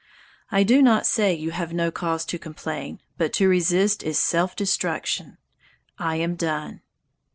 I do not say you have no cause to complain, but to resist is self destruction. I am done."